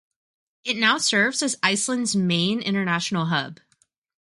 It now serves as Iceland's main international hub.